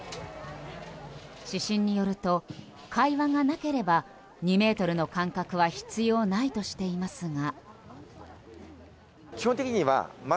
指針によると、会話がなければ２ｍの間隔は必要ないとしていますが。